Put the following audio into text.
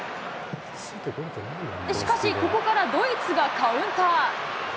しかし、ここからドイツがカウンター。